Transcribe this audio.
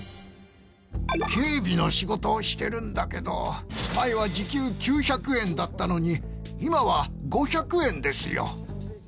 警備の仕事をしてるんだけど前は時給９００円だったのに今は５００円ですよ。